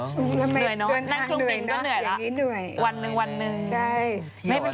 เหนื่อยเนอะนั่งเครื่องบินก็เหนื่อยแล้ววันหนึ่งวันหนึ่งใช่ไม่เป็นไร